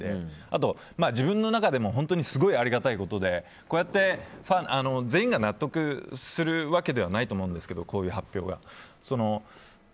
あと、自分の中でもすごいありがたいことでこうやって全員が納得するわけではないと思うんですけどこういう発表が。